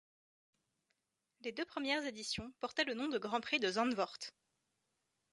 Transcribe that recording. Les deux premières éditions portaient le nom de Grand Prix de Zandvoort.